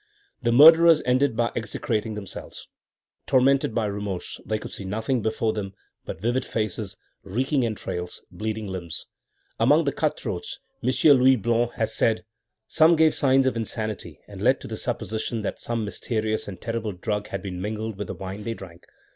The murderers ended by execrating themselves. Tormented by remorse, they could see nothing before them but vivid faces, reeking entrails, bleeding limbs. "Among the cut throats," M. Louis Blanc has said, "some gave signs of insanity that led to the supposition that some mysterious and terrible drug had been mingled with the wine they drank."